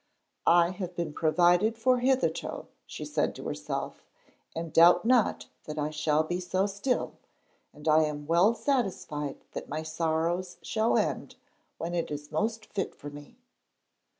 'I have been provided for hitherto,' she said to herself, 'and doubt not that I shall be so still, and I am well satisfied that my sorrows shall end when it is most fit for me.'